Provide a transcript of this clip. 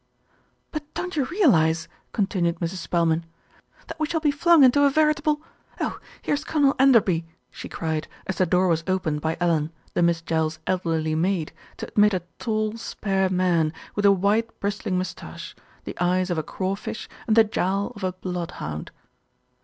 "But don't you realise," continued Mrs. Spelman, "that we shall be flung into a veritable oh! here's Colonel Enderbv," she cried, as the door was opened by Ellen, the Miss Jells' elderly maid, to admit a tall, spare man, with a white, bristling moustache, the eyes of a crawfish and the jowl of a bloodhound.